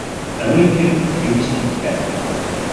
ئەوەی کرد کە ویستی بیکات.